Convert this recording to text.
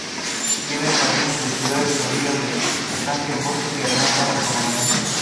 Vive en jardines de ciudades, orillas de estanques, bosques, y demás zonas con humedad.